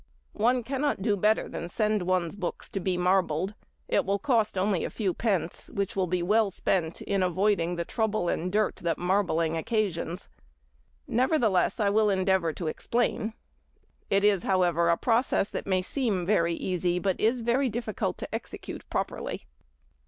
One cannot do better than send one's books to be marbled; it will cost only a few pence, which will be well spent in avoiding the trouble and dirt that marbling occasions; nevertheless I will endeavour to explain; it is, however, a process that may seem very easy, but is very difficult to execute properly.